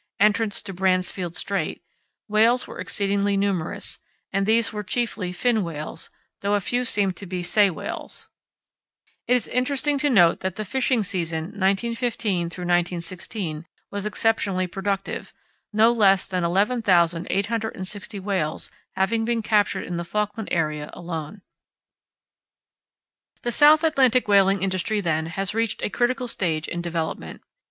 (entrance to Bransfield Strait), whales were exceedingly numerous, and these were chiefly fin whales, though a few seemed to be sei whales. It is interesting to note that the fishing season 1915–1916 was exceptionally productive—no less than 11,860 whales having been captured in the Falkland area alone. The South Atlantic whaling industry, then, has reached a critical stage in development.